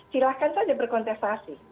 silahkan saja berkontestasi